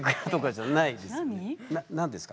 な何ですか？